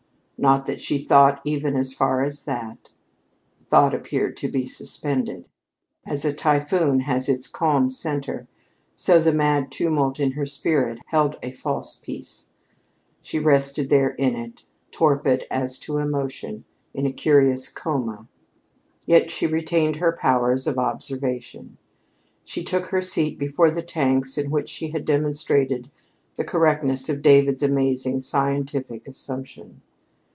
Not that she thought even as far as that. Thought appeared to be suspended. As a typhoon has its calm center, so the mad tumult of her spirit held a false peace. She rested there in it, torpid as to emotion, in a curious coma. Yet she retained her powers of observation. She took her seat before the tanks in which she had demonstrated the correctness of David's amazing scientific assumption.